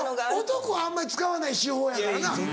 男はあんまり使わない手法やからな。